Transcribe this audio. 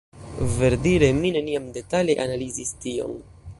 Verdire mi neniam detale analizis tion.